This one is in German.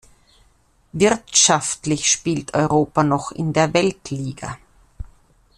Wirtschaftlich spielt Europa noch in der Weltliga.